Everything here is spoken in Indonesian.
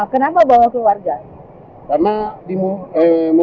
kenapa bawa keluarga